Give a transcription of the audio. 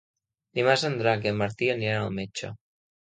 Dimarts en Drac i en Martí aniran al metge.